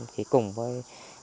thì cùng với